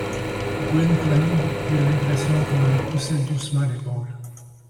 Gwynplaine eut l’impression qu’on lui poussait doucement l’épaule.